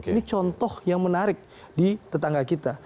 ini contoh yang menarik di tetangga kita